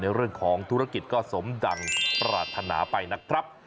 เรื่องของธุรกิจก็สมดังปรารถนาไปนะครับ